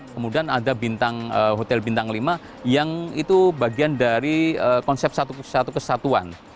kemudian ada bintang hotel bintang lima yang itu bagian dari konsep satu kesatuan